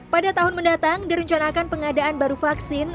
pada tahun mendatang direncanakan pengadaan baru vaksin